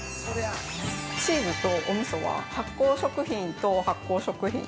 ◆チーズとおみそは、発酵食品と発酵食品。